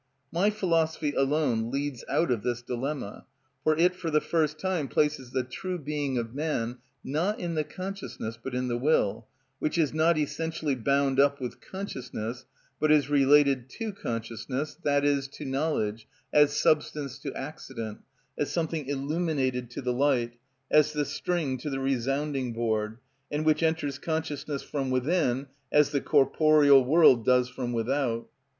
My philosophy alone leads out of this dilemma, for it for the first time places the true being of man not in the consciousness but in the will, which is not essentially bound up with consciousness, but is related to consciousness, i.e., to knowledge, as substance to accident, as something illuminated to the light, as the string to the resounding board, and which enters consciousness from within as the corporeal world does from without.